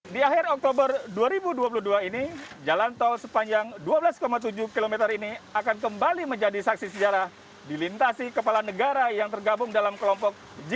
di akhir oktober dua ribu dua puluh dua ini jalan tol sepanjang dua belas tujuh km ini akan kembali menjadi saksi sejarah dilintasi kepala negara yang tergabung dalam kelompok g dua puluh